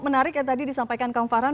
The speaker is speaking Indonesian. menarik yang tadi disampaikan kang farhan